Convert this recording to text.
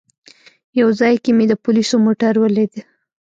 یو ځای کې مې د پولیسو موټر ولید.